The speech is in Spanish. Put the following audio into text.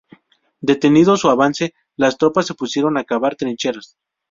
Detenido su avance, las tropas se pusieron a cavar trincheras.